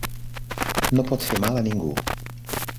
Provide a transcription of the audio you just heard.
No pot fer mal a ningú.